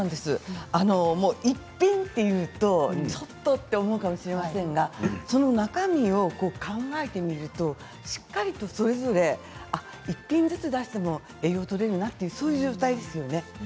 一品というとちょっとと思うかもしれませんけれど中身を考えてみると、しっかりとそれぞれ一品ずつ出しても栄養がとれるんだというものですよね。